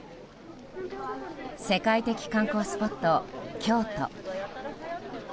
世界的観光スポット、京都。